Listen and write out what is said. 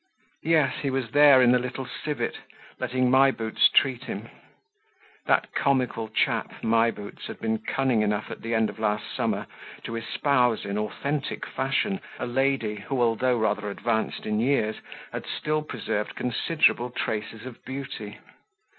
Yes, he was there in the Little Civet, letting My Boots treat him. That comical chap, My Boots, had been cunning enough at the end of last summer to espouse in authentic fashion a lady who, although rather advanced in years, had still preserved considerable traces of beauty.